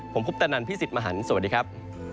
ผมคุปตะนันพี่สิทธิ์มหันฯสวัสดีครับ